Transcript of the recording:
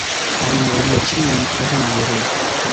Kaj nun ĉiuj foriru.